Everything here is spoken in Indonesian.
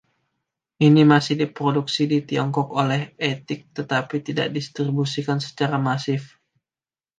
Ini masih diproduksi di Tiongkok oleh Eittek tetapi tidak didistribusikan secara masif.